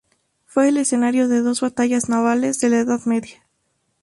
Fue el escenario de dos batallas navales de la Edad Media.